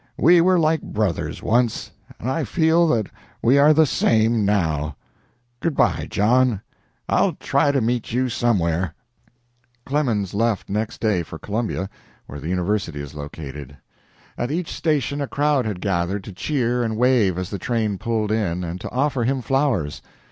We were like brothers once, and I feel that we are the same now. Good by, John. I'll try to meet you somewhere." Clemens left next day for Columbia, where the university is located. At each station a crowd had gathered to cheer and wave as the train pulled in and to offer him flowers.